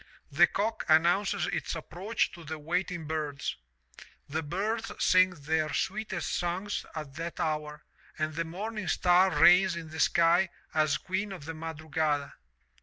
The cock announces its approach to the waiting birds. The birds sing their sweetest songs at that hour and the morning star reiigns in the sky as queen of the madrugada.